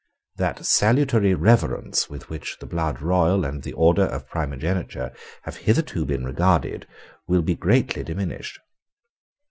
That salutary reverence with which the blood royal and the order of primogeniture have hitherto been regarded will be greatly diminished.